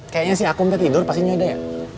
kayaknya si akum tadi tidur pastinya udah ya